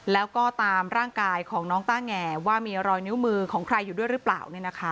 แล้วก็ตามร่างกายของน้องต้าแงว่ามีรอยนิ้วมือของใครอยู่ด้วยหรือเปล่า